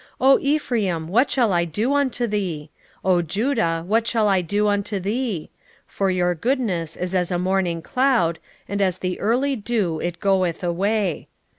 6:4 O Ephraim, what shall I do unto thee? O Judah, what shall I do unto thee? for your goodness is as a morning cloud, and as the early dew it goeth away.